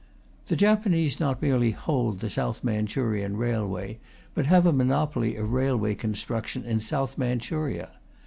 The Japanese not merely hold the South Manchurian Railway, but have a monopoly of railway construction in South Manchuria.